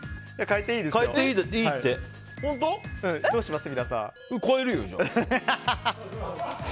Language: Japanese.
どうします？